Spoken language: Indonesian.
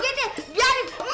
biar emak bales tuh orang